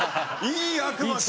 いい悪魔と。